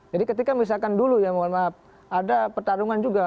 jadi ketika misalkan dulu mohon maaf ada pertarungan juga